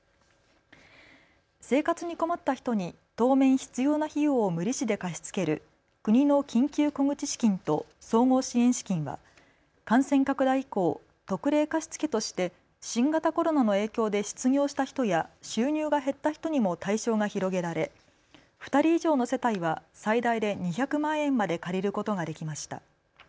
生活に困った人に当面必要な費用を無利子で貸し付ける国の緊急小口資金と総合支援資金は感染拡大以降、特例貸付として新型コロナの影響で失業した人や収入が減った人にも対象が広げられ２人以上の世帯は最大で２００万円まで借りることができました。